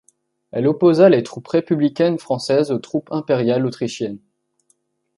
Elle opposa les troupes républicaines françaises aux troupes impériales autrichiennes.